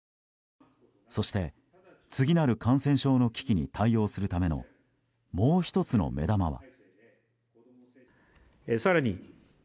そして、次なる感染症の危機に対応するためのもう１つの目玉は。